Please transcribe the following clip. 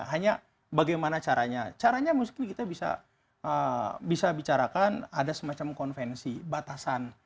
hanya bagaimana caranya caranya mungkin kita bisa bicarakan ada semacam konvensi batasan